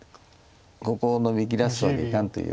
ここをノビきらすわけにいかんという。